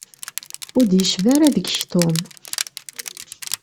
Ur d-yecbi ara deg-k Tom.